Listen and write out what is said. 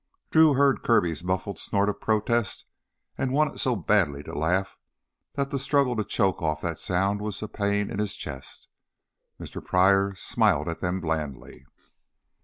Drew heard Kirby's muffled snort of protest and wanted so badly to laugh that the struggle to choke off that sound was a pain in his chest. Mr. Pryor smiled at them blandly.